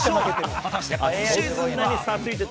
果たして今シーズンは。